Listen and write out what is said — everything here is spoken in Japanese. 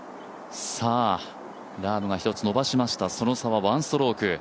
ラームが１つ伸ばしました、その差は１ストローク。